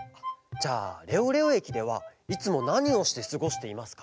じゃあレオレオえきではいつもなにをしてすごしていますか？